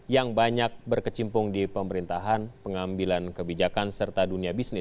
yang banyak berkecimpung di pemerintahan pengambilan kebijakan serta dunia bisnis